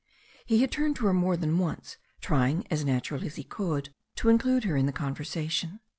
He had turned to her more than once trying as naturally as he could to include her in the conversation.